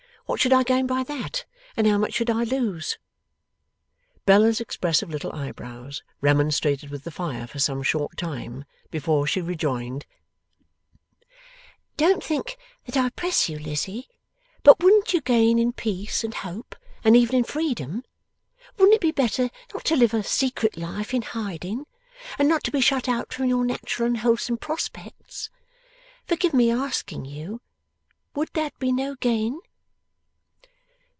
What should I gain by that, and how much should I lose!' Bella's expressive little eyebrows remonstrated with the fire for some short time before she rejoined: 'Don't think that I press you, Lizzie; but wouldn't you gain in peace, and hope, and even in freedom? Wouldn't it be better not to live a secret life in hiding, and not to be shut out from your natural and wholesome prospects? Forgive my asking you, would that be no gain?